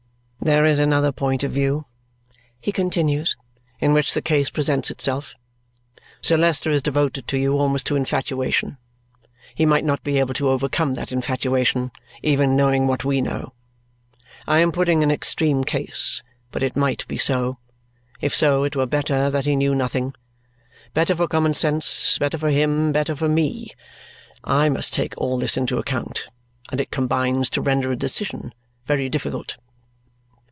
"There is another point of view," he continues, "in which the case presents itself. Sir Leicester is devoted to you almost to infatuation. He might not be able to overcome that infatuation, even knowing what we know. I am putting an extreme case, but it might be so. If so, it were better that he knew nothing. Better for common sense, better for him, better for me. I must take all this into account, and it combines to render a decision very difficult."